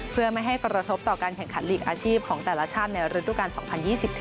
เพื่อไม่ให้กระทบต่อการแข่งขันลีกอาชีพของแต่ละชาติในฤดูการ๒๐๒๗